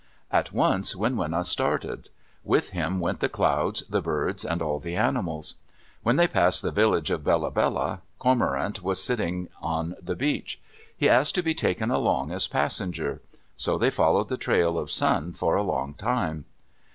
At once Winwina started. With him went the clouds, the birds, and all the animals. When they passed the village of Bella Bella, Cormorant was sitting on the beach. He asked to be taken along as passenger. So they followed the trail of Sun for a long time.